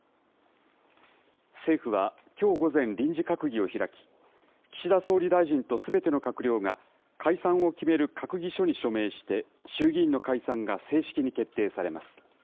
政府はきょう午前、臨時閣議を開き、岸田総理大臣とすべての閣僚が解散を決める閣議書に署名して、衆議院の解散が正式に決定されます。